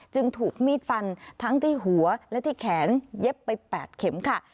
จึงถูกมีดฟันทั้งที่หัวและที่แขนเย็บไป๘เข็มค่ะ